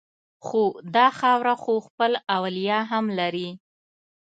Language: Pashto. خو دا خاوره خو خپل اولیاء هم لري